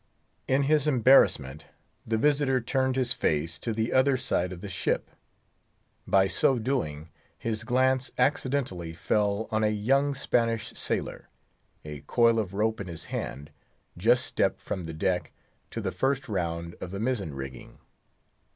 In his embarrassment, the visitor turned his face to the other side of the ship. By so doing, his glance accidentally fell on a young Spanish sailor, a coil of rope in his hand, just stepped from the deck to the first round of the mizzen rigging.